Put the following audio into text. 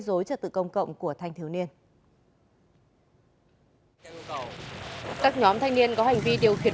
dối trật tự công cộng của thanh thiếu niên các nhóm thanh niên có hành vi điều khiển